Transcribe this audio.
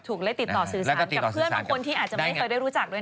ได้ติดต่อสื่อสารกับเพื่อนบางคนที่อาจจะไม่เคยได้รู้จักด้วย